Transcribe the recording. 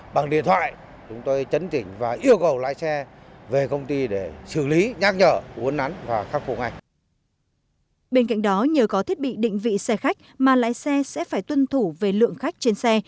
bên cạnh đó nhờ có thiết bị định vị xe khách mà lái xe sẽ phải tuân thủ về lượng khách trên xe